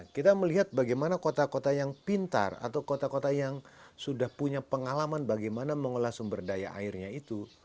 kita melihat bagaimana kota kota yang pintar atau kota kota yang sudah punya pengalaman bagaimana mengelola sumber daya airnya itu